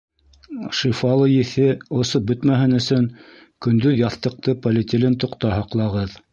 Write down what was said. Шифалы еҫе осоп бөтмәһен өсөн көндөҙ яҫтыҡты полиэтилен тоҡта һаҡлағыҙ.